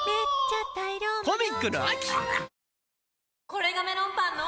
これがメロンパンの！